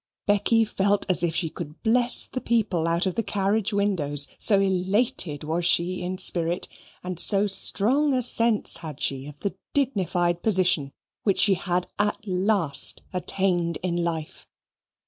Becky felt as if she could bless the people out of the carriage windows, so elated was she in spirit, and so strong a sense had she of the dignified position which she had at last attained in life.